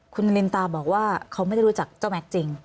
คุณนารินตาบอกว่าเขาไม่ได้รู้จักเจ้าแม็กซ์จริง